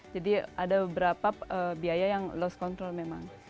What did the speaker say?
jadi ada beberapa biaya yang loss control memang